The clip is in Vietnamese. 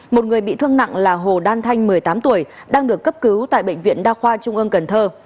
một người bị thương nặng là hồ đan thanh một mươi tám tuổi đang được cấp cứu tại bệnh viện đa khoa trung ương cần thơ